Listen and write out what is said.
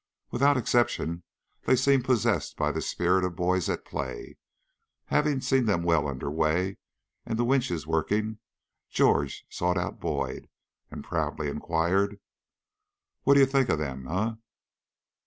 Without exception, they seemed possessed by the spirit of boys at play. Having seen them well under way and the winches working, George sought out Boyd and proudly inquired: "What do you think of them, eh?"